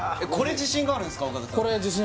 これ自信あるんですか？